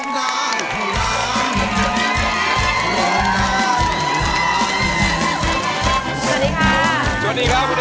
สวัสดีค่ะคุณเอ๋ครับ